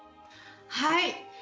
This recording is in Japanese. はい。